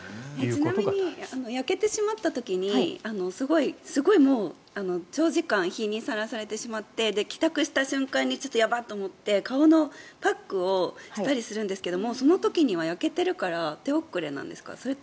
ちなみに焼けてしまった時にすごい長時間日にさらされてしまって帰宅した瞬間にヤバッと思って、顔のパックをしたりするんですけどその時には焼けてるから手遅れなんですか？